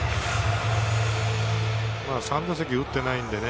３打席打っていないんでね。